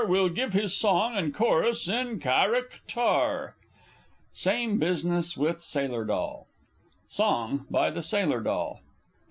Will give his song and chorus in charàck tar! [Same business with Sailor D. Song, by the Sailor Doll.